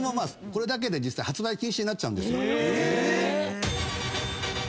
これだけで発売禁止になっちゃうんですよ。